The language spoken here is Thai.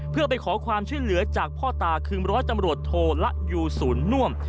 เพื่อไปขอความช่วยเหลือจากพ่อตาคือร้อยตำรวจโทละยูศูนย์น่วม